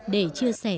để chia sẻ